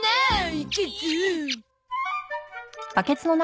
いけず！